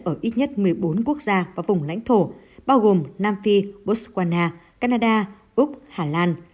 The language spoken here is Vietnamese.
ở ít nhất một mươi bốn quốc gia và vùng lãnh thổ bao gồm nam phi botswana canada úc hà lan